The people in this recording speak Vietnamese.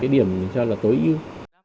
điểm mình cho là tối ưu